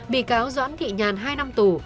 bị cáo doãn thị nhàn hai năm tù